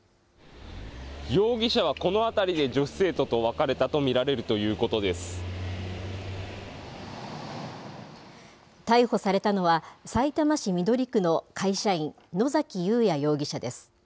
容疑者はこの辺りで女子生徒と別れたと見られるということで逮捕されたのは、さいたま市緑区の会社員、野崎祐也容疑者です。